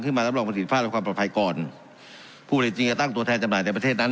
มารับรองประสิทธิภาพและความปลอดภัยก่อนผู้ผลิตจริงจะตั้งตัวแทนจำหน่ายในประเทศนั้น